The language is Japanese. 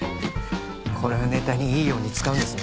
これをネタにいいように使うんですね。